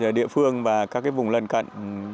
ở địa phương và các cái vùng lần cận